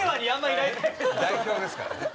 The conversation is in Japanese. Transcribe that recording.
伊達：代表ですからね。